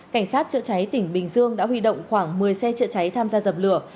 cảnh sát chữa cháy tỉnh bình dương đã huy động khoảng một mươi xe chữa cháy tham gia dập lửa